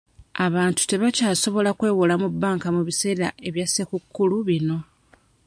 Abantu tebakyasobola kwewola mu banka mu biseera ebya ssekukkulu bino.